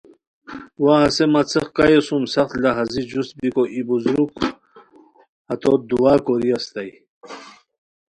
وا ہسے مہ څیق کایو سُم سخت لہازی جوست بیکو ای بُزرگ ہتوت دُعا کوری استائے